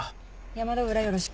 山田裏よろしく。